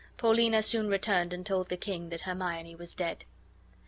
Paulina soon returned and told the king that Hermione was dead.